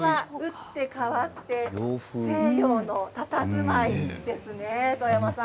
こちらは打って変わって西洋のたたずまいですね遠山さん。